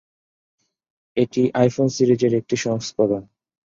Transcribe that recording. এটি আইফোন সিরিজের একটি সংস্করণ।